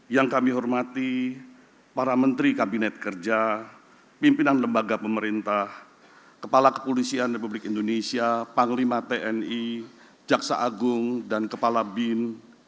yang kami hormati para menteri kabinet kerja pimpinan lembaga pemerintah kepala kepolisian republik indonesia panglima tni jaksa agung dan kepala bin